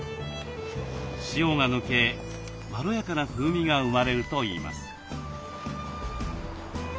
塩が抜けまろやかな風味が生まれるといいます。